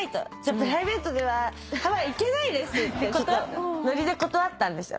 プライベートではハワイ行けないですってノリで断ったんですよ。